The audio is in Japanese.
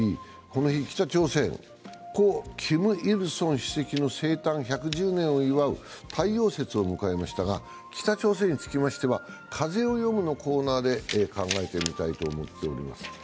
この日、北朝鮮、故キム・イルソン主席の生誕１１０年を祝う太陽節を迎えましたが、北朝鮮につきましては「風をよむ」のコーナーで考えてみたいと思っています。